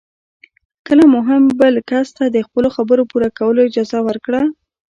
کله مو هم چې بل کس ته د خپلو خبرو پوره کولو اجازه ورکړه.